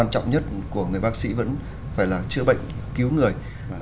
các bác sĩ vẫn phải chữa bệnh cứu người